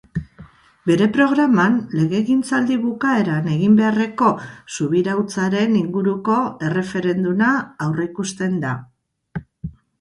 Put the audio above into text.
Bere programan, legegintzaldi bukaeran egin beharreko subirautzaren inguruko erreferenduma aurreikusten da.